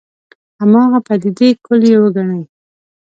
هماغه پدیدې کُل یې وګڼي.